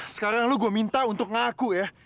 sekarang lo gue minta untuk ngaku ya